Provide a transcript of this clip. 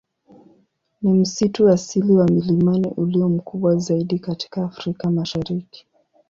Ni msitu asili wa milimani ulio mkubwa zaidi katika Afrika Mashariki.